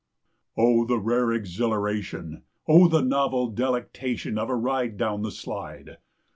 Oh, the rare exhilaration, Oh, the novel delectation Of a ride down the slide!